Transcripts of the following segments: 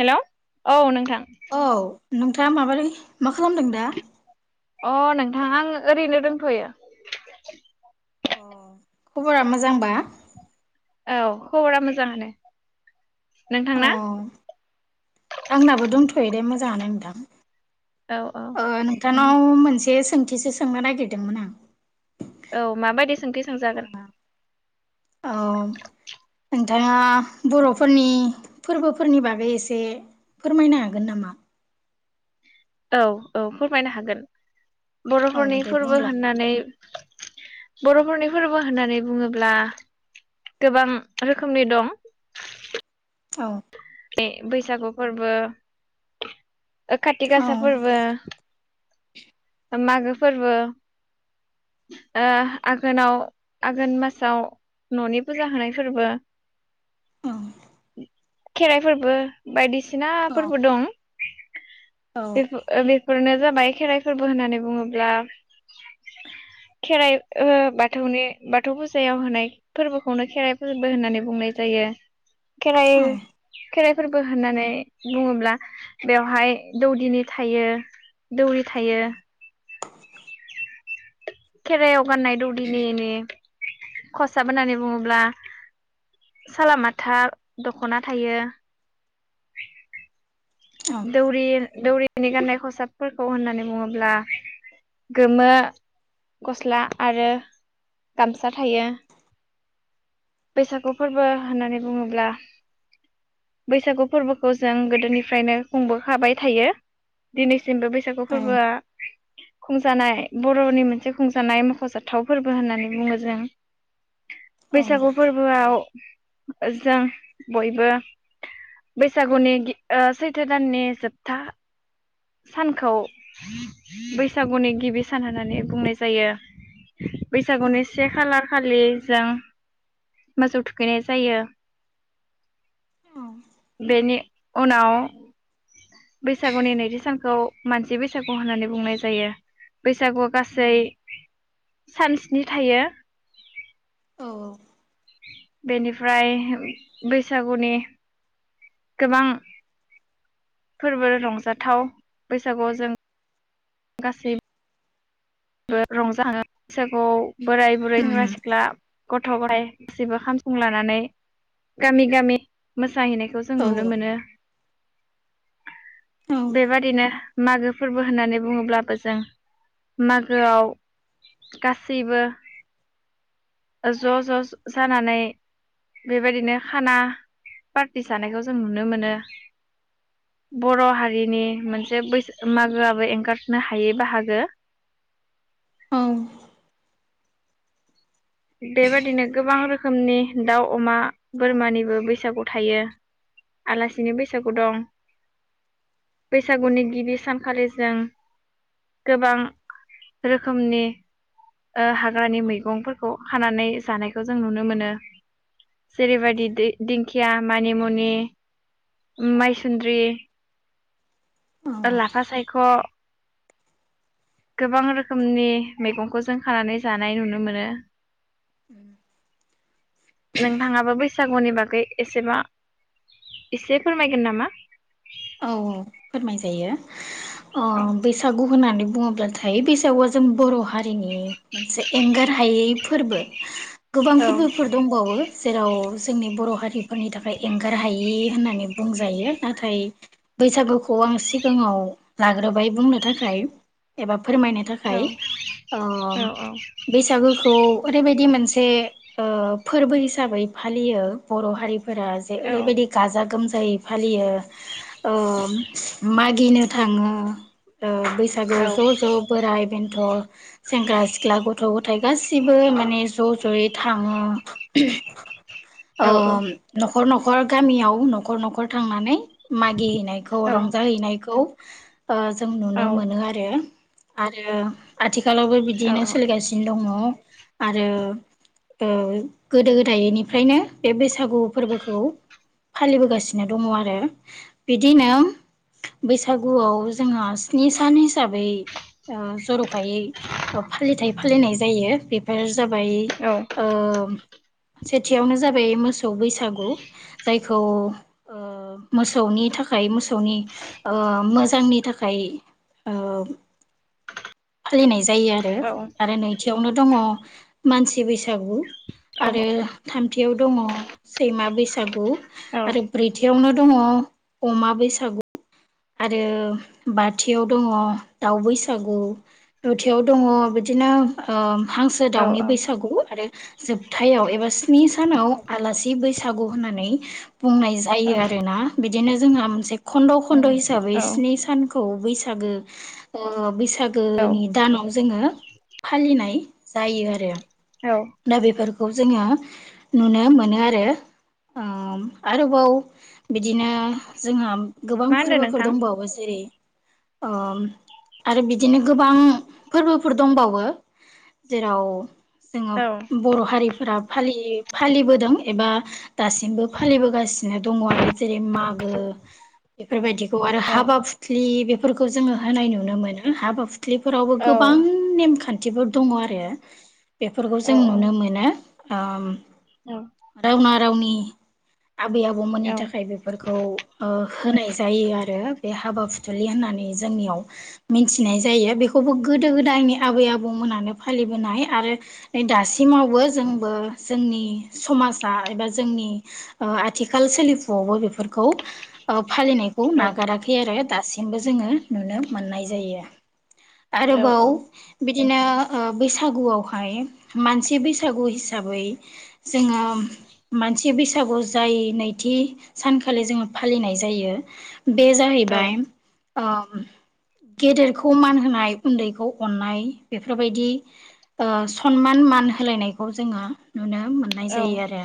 Hello औ नोंथां।। औ नोंथाङा माबोरै माखालामदों दा। हा आंङो ओरैनोदोंथयो। अ खबरा माज मोजांबा। औ खबरा मोजाङानो। नोंथांना अआंनाबो दंथ फै दे मोजाङानो नोंथां। औ औ ओह नोंथांनाव मोनसे सोंथिसो सो सोंनो नागिरदोंमोन आं। औ माबायदिसोंथि सोंजागोन। औ नोंथाङा बर'फोरनि फोरबोफोरनि बागै एसे फोरमायनो हागोन नामा? औ औ फोरमायनोहागोन । औ बरफोरनि दे फोरबो बुंलां होननानै बर'फोरनि फोरबोहोननानै बुङोब्ला गोबां रोखोमनि दं। औ। ए बैसागु फोरबो औ खाातिगासा फोरबो। मागोफोरबो ओह आघोनाव आघोनमासाव न'नि फुजाहोनाय फोरबो। [inaudible] औ खेराइ फोरबो बायदिसिना। औ बिनाफोरबो दं। औ [unintelligible] फोरनो जाबाय खेराइ फोरबो होननानै बुङोब्ला खेराइ ओ बाथौनि बाथौ फुजायाव होनाय फोरबोखौनो खेराइ फोरबो होननानै बुंनाय जायो। खेराइ खेराइफोरबो होननानै बुङोब्ला बेवहाय दौदिनि थायो दौरि थायो । खेरायाव गाननाय दौनिनि खसाब होननानै बुङोब्ला सालामाथा दख'ना थायो। औ दौरि दौरि जनि गाननाय खसाबफोरखौ होननानै बुङोब्ला गोमो गस्ला आरो गामसा थायो। बैसागु फोरबो होननानै बुङोब्ला बैसागु फोरबोखौ जों गोदोनिफ्रायनो खुंबोखाबाय थायो दिनै सिमबो बैसागु औ फोरबोआ। खुंजानाय बर'नि मोनसे खुंजानाय मख'जाथाव फोर्बो होननानै बुङोजों। औ बैसागु फोर्बोआव। जों बयबो बैसागुनि गि ओ सैथो दाननि जोबथा। सानखौ बैसागुनि गिबि सान होननानै बुंनाय जायो। बैसागुनि से खालार खालिजों मोसौ थुखैनाय जायो। औ बेनि उनाव बैसागुनि नैथि सानखौ मानसि बैसागु होननानै बुंनाय जायो। बैसागुआ गासै। उम चानन्सि थायो। औ औ बेनिफ्राय बैसागुनि गोबां फोर्बो रंजाथाव बैसागुआव जों गासै ब रंजानो। बैसागुआव बोराय बुरै उम सेंग्रा सिख्ला गथ' गथाय गासैबो खामसं लानानै गामि गामि मोस फ्राहैनायखौ जों औ नुनो मोनो। बेबादिनो मागो फोर्बो होननानै बुङोब्लाबो जों मागोआव गासैबो ज' ज' जानानै बेबायदिनो खाना पार्टि जानायखौ जों नुनो मोनो बर' हारिनि मोनसे बैसो मागोआबो एंगारनो हायै बाहागो। औ बेबायदिनो गोबां रोखो रोखोमनि दाउ अमा बोरमानिबो बैसागु थायो आलासिनि बैसागु दं बैसागुनि गिबि सानखालि जों गोबां रोखोमनि ओ हाग्रानि मैगंफोर खौ खानानै जानायखौ जों नुनो मोनो जेरैबायदि दि-दिंखिया, मानिमुनि, माइसुन्द्रि औ औ लाफा सायख गोबां रोखोमनि मैगंखौ जों खानानै जानाय नुनो मोनो उम नोंथाङाबो बैसागुनि बागै एसेबा एसे फोरमायगोन नामा? औ औ फोरमाय जायो। अ औ बैसागु होननानै बुङोब्लाथाय बैसागुआ जों बर' हारिनि मोनसे एंगार हायै फोरबो गोबां फोरबोफोर दंबावो जेराव जोंनि बर हारि फोरनि थाखाय एंगार हायि होन्नानै बुंजायो नाथाय बैसागुखौ आं सिगाङाव लाग्रोबाय बुंनो थाखाय एबा फोरमायनो थाखाय ओ बैसागुखौ ओरैबायदि मोनसे [unintelligible] ओ फोरबो हिसाबै फालियो बर' हारि फोरा जे ओरैबायदि गाजा गोमजा जायै फालियो [unintelligible] गिनो थाङो। ओ बैसागोआव ज' ज' बोराइ बेन्थ' सेंग्रा सिख्ला गथ' गथाइ गासिबो माने ज' ज'यै थाङो ओम न'खर न'खर न'खर गामियाव न'खर न'खर थांनानै गि हैैनायखौ रंजा हैनायखौ [inaudible] जों औ नुनो मोनो आरो। आरो आथिल। आथिखालावबो बिदिनो सोलिगासिनो दङ। आरो गोदो ओ गोदायनिफ्रायनो बे बैसागु फोरबोखौ फालिबोगासिनो दङ आरो। बिदिनो बैसागुआव जोंहा स्नि सान हिसाबै जर'खायै फालिथाय फालिनाय जायो बेफोर। जाबाय ओम सेथियावनो जाबाय मोसौ बैसागु जायखौ ओ मोसौनि थाख थाखाय मोसौनि ओ मोजांनि ओ थाखायो फालिनाय। जायो आरो आरो नैथियावनो दङ। मानसि बैसो। आरो थम। थियाव दङ। सैमा बैसागु आरो ब्रैथियावनो दङ अमा बैसागु। आरो बाथियाव दङ दाउ बैसागु नोथियाव दङ बिदिनोओ। हांसो दाउनि बैसागु आरो जोबथायाव एबा स्नि सानाव आलासि बैसागो बैसागु होननानै बुंनाय जायो आरोना बिद बिदिनो जोंहा मोनसे खन्द' खन्द हिसाबै औ स्नि सान खौ बैसागो ओ बै औ बैसागोनि दानाव जोङो फालिनाय जायो आरो। औ नो बेफोर खौ जोङो नुनो मोनो आरो ओ आरोबाव बिदिनो जोंहा गोबां मा होनदों फोरबोफोर नोंथां दंबावो जेरै आरो बिदिनो गोबां फोरबोफोर दंबावो जेराव जोङो औ बर' हारिफोरा फालियो। फालिबोदों एबा दासिमबो फालिबोगासिनो दङ आरो जेरै मागो बेफोरबायदिखौ आरो औ हाबा फुथलि [unintelligible] बेफोरखौ जोङो होनाय नुनो मोनो हाबा हु थ्लिफोरावबो औ गोबां नेमखान्थि बिदिबो दङ आरो। बेफोरखौ औ जों नुनो मोनो। आम रावना रावनि [inaudible] आबै आबौमोननि थाखाय बेफोरखौ ओ। होननाय जायो आरो बे हाबा फुथुलि होननानै जोंनियाव मिथिनाय जायो बेखौबो गोदो गोदायनि आबै आबौमोनानो फालिबोनाय आरो दासिमावबो जोंबो जोंनि समाजा एबा जोंनि ओ आथिखाल सोलिफुआवबो बेफोरखौ ओ फालिनायखौ नागाराखै आरो दासिमबो जोंङो नुनो मोननाय जायो । आरोबाव। बिदिनो ओ बैसागुआवहाय मानसि बैसागु हिसाबै जोङो मानसि बैसागु जाय नैथि सानखालि जोङो फालिनाय जायो। बे जाहैबाय ओ गेदेरखौ मान होनाय उन्दैखौ अन्नाय बेफोरबायदि सनमान मान होलायनायखौ जोंङो नुनो मोननाय जायो आरो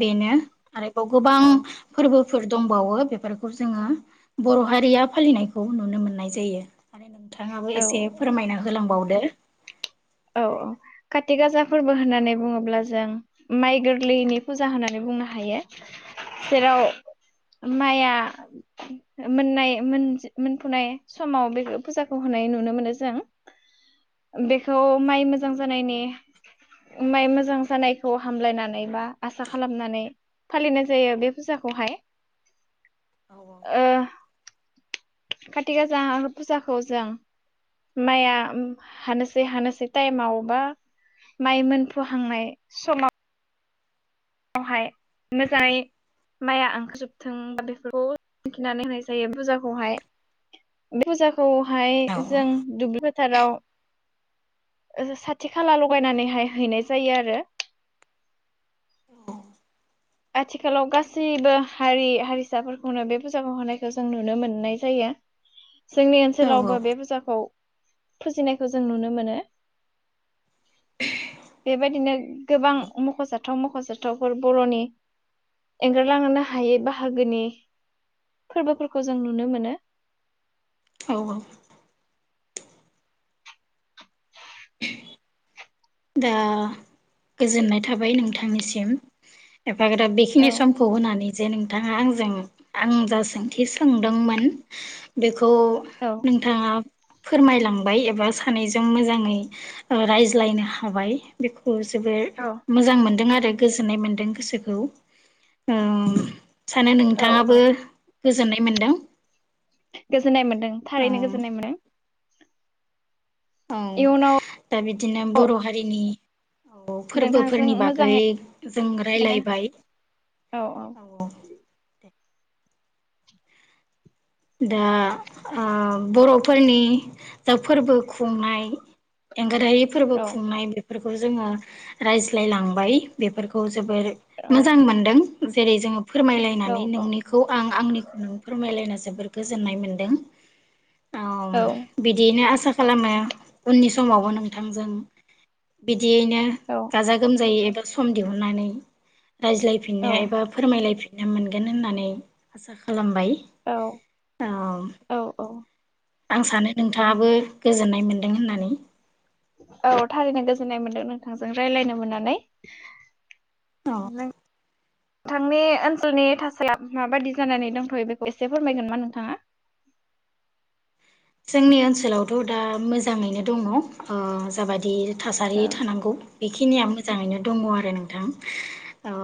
बेनो आरोबाव गोबां। फोरबोफोर दंबावो बेफोरखौ जोङो बर' हारिया फालिनायखौ नुनो मोननाय जायो। आरो नोंथाङाबो औ एसे फोरमायना होलांबावदो दो। औ औ काति गाजा फोरबो होननानै बुङोब्ला जों माइ गोरलैनि फुजा होननानै बुंनो हायो। जेराव माइआ मोननाय मोन-मोनफुनाय समाव बे फुजाखौ होनाय नुनो मोनो जों। बे खौ माइ मोजां जानायनि माइ मोजां जानायखौ हामलायनानै बा आसा खालामनानै फालिनाय जायो बे फुजाखौहाय। औ काथि गाजा फुजाखौ जों माइआ हानोसै हानोसै टाइमाव बा माइ मोनफुहांनाय समाव हाय मोजाङै माइआ ओंखारजोबथों बा बेफोरखौ दिन्खिनानै होनाय जायो फुजाखौहाय फुजाखौ हाय औ जों दुब्लि फोथाराव साथि खाला लगायनानैहाय हैनाय जायो आरो। आथिखालाव गासैबो हारि हारिसाफोरखौनो बे फुजाखौ होनायखौ जों नुनो मोननाय जायो। जोंनि औ ओनसोलावबो बे फुजाखौ फुजिनायखौ जों नुनो मोनो बेबायदिनो गोबां मख'जाथाव मख'जाथावफोर बर'नि एंगारलांनो हायै बाहागोनि फोरबोफोरखौ जों नुनो मोनो। औ औ। दा गोजोननाय थाबाय नोंथांनिसिम। एफाग्राब बेखिनि औ समखौ होनानै जे नोंथाङा आंजों आं जा सोंथि सोंदोंमोन बेखौ औ औ नोंथाङा फोरमायलांबाय एबा सानैजों मोजाङै रायज्लायनो खबाय जोबोर औ मोजां मोनदों आरो। गोजोननाय मोनदों गोसोखौ। सानो औ औ नोंथाङाबो गोजोननाय मोनदों गोजोननाय मोनदों औ थारैनो गोजोननाय मोनो औ दा बिदिनो बर' हारिनि औ नोंथांजों फोरबोफोरनि बागै मोजाङैनो जों रायलायबाय औ दा ओ बर'फोरनि दा फोरबो खुंनाय एं रायो फोरबो औ खुंनाय बेब बेफोरखौ जोङो रायज्लाय लांबाय बेफोरखौ जोबोर औ मोजां मोनदों जेरै जोङो औ फोरमायलायनानै नोंनिखौ आं आंनि नों फोरमाय लायना जोबोर गोजोननाय मोन्दों। औ बिदिनो आसा खालामो उननि समावबो नोंथांजों बिद बिदियैनो औ गाजा गोमजायै एबा सम दिहुननानै रायज्लायफिननो औ एबा फोरमायलायफिन थिनो मोनगोन होननानै आसा खालामबाय औ औ औ औ आं सानो नोंथाङाबो गोजोननाय मोनदों होननानै औ थारैनो गोजोननाय मोनदों नोंथांजों रायलायनो मोननानै अ। नोंथांनि ओनसोलनि थासाया माबायदि जानानै दंथ'यो बेखौ एसे फोरमायगोन मा नोंथाङा । जोंनि ओनसोलावथ' दा मोजाङैनो दङ ओ जाबादि थासारि औ थानांगौ। बेखिनिया मोजाङैनो दङ आरो नोंथां औ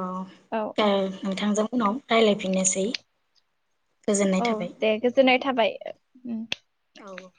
औ दे औ नोंथांजों उनाव रायलाय बेनोसै औ दे गोजोननाय थाबाय उम। औे